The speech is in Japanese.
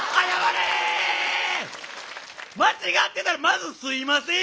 間違ってたらまずすいませんやろ！